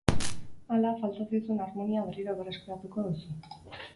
Hala, falta zaizun armonia berriro berreskuratuko duzu.